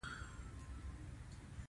مهاجرت ژوند نيمګړی کوي